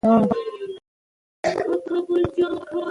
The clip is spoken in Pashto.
د سيمه یيزو کلتورونو په اړه مطالعه، د انزوا احساس له منځه وړي.